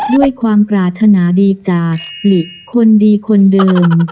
ด้วยความปรารถนาดีจากหลีคนดีคนเดิม